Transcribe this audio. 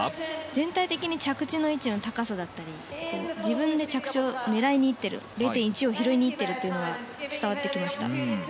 全体的に着地の位置の高さだったり自分で着地を狙いに行っている０．１を拾いに行っているのが伝わってきました。